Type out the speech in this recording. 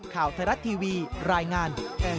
ข่าวไทรตรัตธิวีรายงาน